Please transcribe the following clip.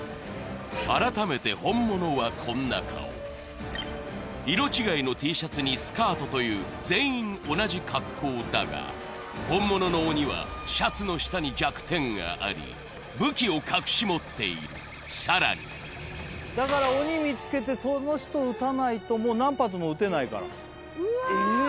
改めて本物はこんな顔色違いのＴシャツにスカートという全員同じ格好だが本物の鬼はシャツの下に弱点があり武器を隠し持っているさらにだから鬼見つけてその人撃たないと何発も撃てないからうわ